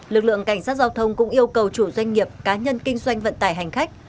lực lượng cảnh sát giao thông cũng yêu cầu chủ doanh nghiệp cá nhân kinh doanh vận tải hành khách